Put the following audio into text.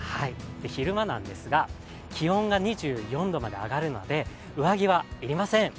昼間なんですが、気温が２４度まで上がるので上着はいりません。